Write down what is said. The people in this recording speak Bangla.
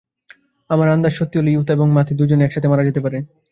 আমার আন্দাজ সত্যি হলে, ইউতা এবং মাকি দুজনেই একসাথে মারা যেতে পারে।